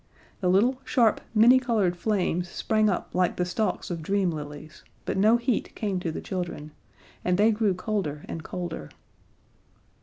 The little, sharp, many colored flames sprang up like the stalks of dream lilies, but no heat came to the children, and they grew colder and colder.